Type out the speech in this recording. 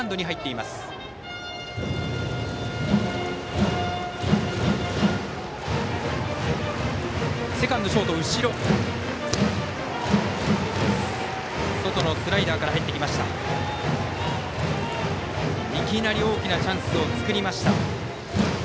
いきなり大きなチャンスを作りました。